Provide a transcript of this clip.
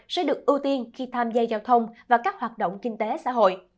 sẽ được ưu tiên khi tham gia giao thông và các hoạt động kinh tế xã hội